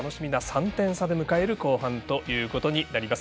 ３点差で迎える後半ということになります。